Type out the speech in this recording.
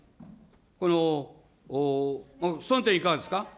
この、その点いかがですか。